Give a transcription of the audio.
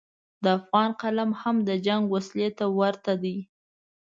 د افغان قلم هم د جنګ وسلې ته ورته دی.